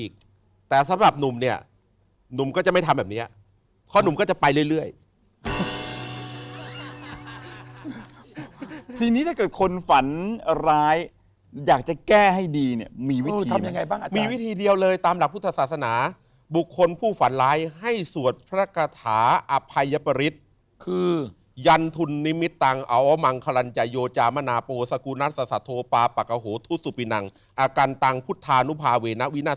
เขาก็เลยไปอุ้มเด็กคนนั้นลงมาลงมาปุ๊บลงมาปุ๊บกลายเป็นคนแก่